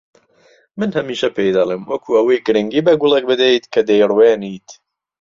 من هەمیشە پێی دەڵێم وەکو ئەوەی گرنگی بە گوڵێک بدەیت کە دەیڕوێنیت